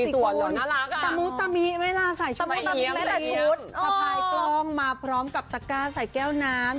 ตะมุตะมิเวลาใส่ชุดสะพายกล้องมาพร้อมกับตะก้าใส่แก้วน้ำ